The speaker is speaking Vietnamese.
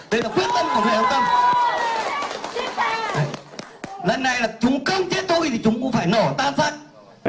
đây là quyết tâm của lê đình kình lần này là chúng cấm chết tôi thì chúng cũng phải nổ tan phát